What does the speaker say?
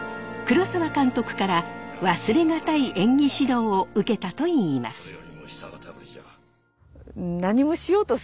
黒澤監督から忘れがたい演技指導を受けたといいます。